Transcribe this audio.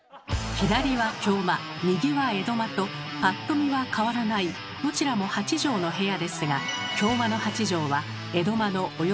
左は京間右は江戸間とぱっと見は変わらないどちらも８畳の部屋ですが京間の８畳は江戸間のおよそ９．４畳分もあり